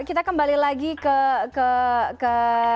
kita kembali lagi ke ke ke